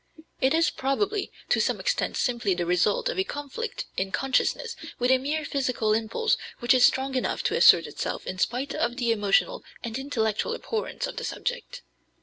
It is probably to some extent simply the result of a conflict in consciousness with a merely physical impulse which is strong enough to assert itself in spite of the emotional and intellectual abhorrence of the subject.